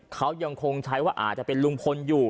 เขายังคงใช้ว่าอาจจะเป็นลุงพลอยู่